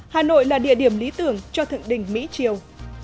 hà nội là địa điểm lý tưởng cho thượng đỉnh mỹ triều